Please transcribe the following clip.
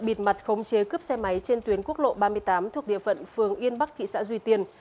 bịt mặt khống chế cướp xe máy trên tuyến quốc lộ ba mươi tám thuộc địa phận phường yên bắc thị xã duy tiên